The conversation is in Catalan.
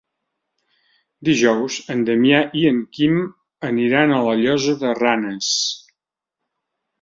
Dijous en Damià i en Quim aniran a la Llosa de Ranes.